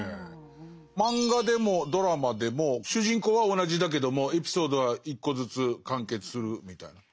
漫画でもドラマでも主人公は同じだけどもエピソードは一個ずつ完結するみたいな。